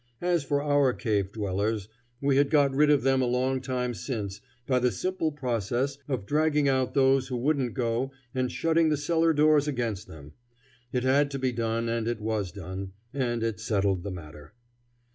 As for our cave dwellers, we had got rid of them a long time since by the simple process of dragging out those who wouldn't go and shutting the cellar doors against them. It had to be done and it was done, and it settled the matter.